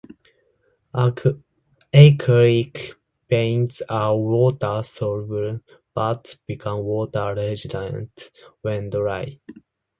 Acrylic paints are water-soluble, but become water-resistant when dry.